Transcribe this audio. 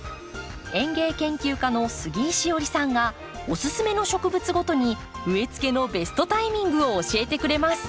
園芸研究家の杉井志織さんがおすすめの植物ごとに植えつけのベストタイミングを教えてくれます。